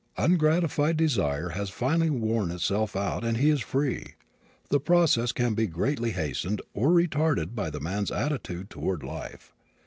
Ungratified desire has finally worn itself out and he is free. The process can be greatly hastened or retarded by the man's attitude toward life.